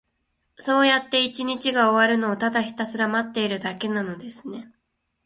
そうやって一日が終わるのを、ただひたすら待っているだけなのですね。